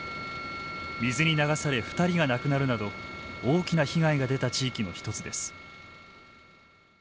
水に流され２人が亡くなるなど大きな被害が出た地域の一つです。